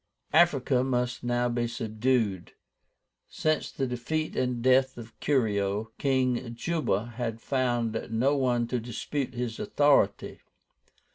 Africa must now be subdued. Since the defeat and death of Curio, King JUBA had found no one to dispute his authority.